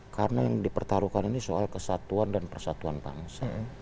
karena yang dipertaruhkan ini soal kesatuan dan persatuan bangsa